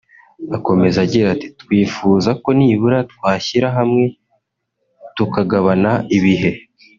Akomeza agira ati "Twifuza ko nibura twashyira hamwe tukagabana ibihe